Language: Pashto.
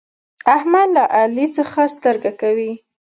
احمد له علي څخه سترګه کوي.